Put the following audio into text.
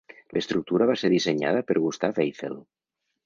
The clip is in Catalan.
L'estructura va ser dissenyada per Gustave Eiffel.